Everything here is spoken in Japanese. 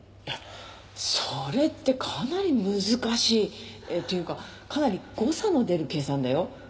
いやそれってかなり難しいっていうかかなり誤差の出る計算だよ？